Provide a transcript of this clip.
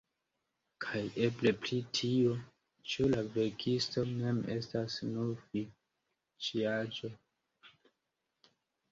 Kaj eble pri tio, ĉu la verkisto mem estas nur fikciaĵo?